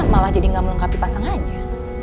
malah jadi gak melengkapi pasangannya